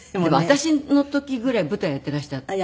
私の時ぐらい舞台やっていらしたでしょ。